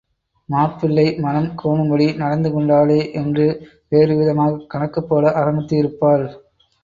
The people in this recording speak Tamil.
மாப்பிள்ளை மனம் கோணும்படி நடந்து கொண்டாளோ என்று வேறுவிதமாகக் கணக்குப் போட ஆரம்பித்து இருப்பாள்.